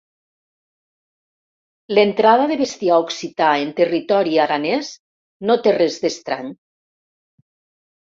L'entrada de bestiar occità en territori aranès no té res d'estrany.